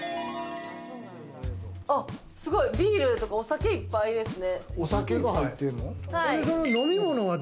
すごい、ビールとかお酒いっぱいですね。